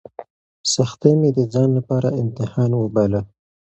سختۍ مې د ځان لپاره امتحان وباله.